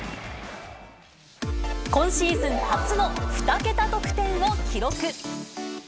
今シーズン初の２桁得点を記録。